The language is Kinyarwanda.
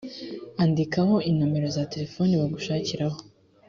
andikaho inomero za telefoni bagushakiraho